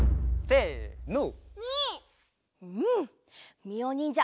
せの。